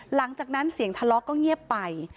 หลังจากนั้นเสียงทะเลาะก็เงียบไป